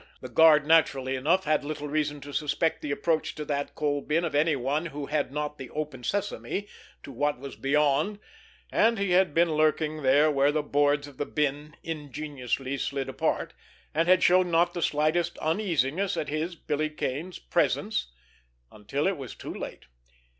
The guard naturally enough, had little reason to suspect the approach to that coal bin of any one who had not the "open sesame" to what was beyond, and he had been lurking there where the boards of the bin ingeniously slid apart, and had shown not the slightest uneasiness at his, Billy Kane's, presence until it was too late.